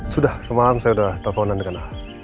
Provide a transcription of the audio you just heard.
sudah semalam saya sudah teleponan dengan ah